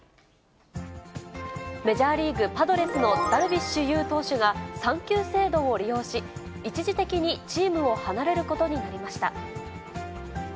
メジャーリーグ・パドレスのダルビッシュ有投手が、産休制度を利用し、一時的にチームを離れることになりました。